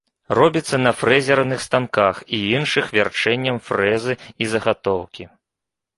Робіцца на фрэзерных станках і іншых вярчэннем фрэзы і загатоўкі.